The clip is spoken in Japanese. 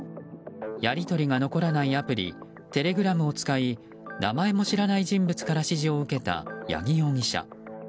やり取りが残らないアプリテレグラムを使い名前も知らない人物から指示を受けた八木容疑者。